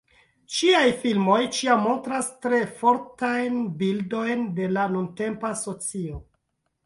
Ŝiaj filmoj ĉiam montras tre fortajn bildojn de la nuntempa socio.